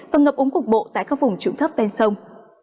và ngập úng cục bộ tại các vùng trụng thấp ven sông